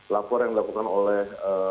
lapor yang dilakukan oleh